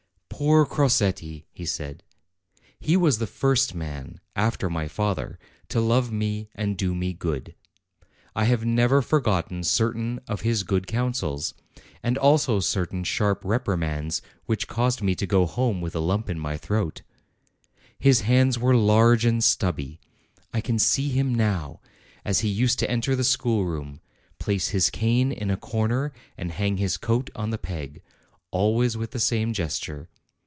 "Poor Crosetti!" he said; "he was the first man, after my father, to love me and do me good. I have never forgotten certain of his good counsels, and also certain sharp reprimands which caused me to go home with a lump in my throat. His hands were large and stubby. I can see him now, as he used to enter the schoolroom, place his cane in a corner and hang his coat on the peg, always with the same gesture.